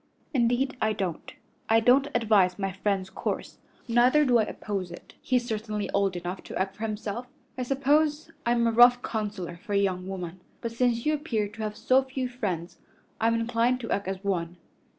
"Indeed I don't. I don't advise my friend's course; neither do I oppose it. He's certainly old enough to act for himself. I suppose I'm a rough counselor for a young woman, but since you appear to have so few friends I'm inclined to act as one.